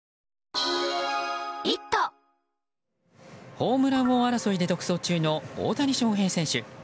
ホームラン王争いで独走中の大谷翔平選手。